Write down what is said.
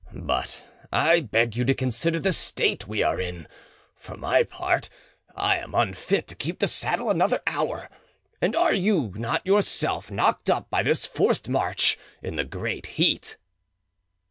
But I beg you to consider the state we are in. For my part, I am unfit to keep the saddle another hour, and are you not yourself knocked up by this forced march in the great heat?"